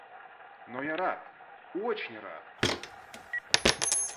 Но я рад, очень рад.